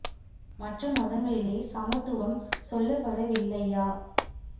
மற்ற மதங்களிலே சமத்துவம் சொல்லப்படவில்லையா?